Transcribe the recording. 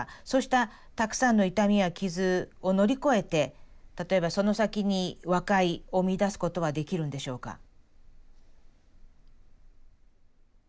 そうしたたくさんの痛みや傷を乗り越えて例えばその先に和解を見いだすことはできるんでしょうか？